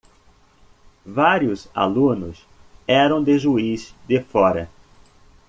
Vários alunos eram de Juíz de Fora.